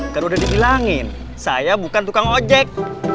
terdiri langit saya bukan tukang ojek